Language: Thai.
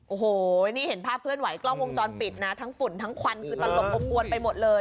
โอ้โหนี่เห็นภาพเคลื่อนไหกล้องวงจรปิดนะทั้งฝุ่นทั้งควันคือตลบอบอวนไปหมดเลย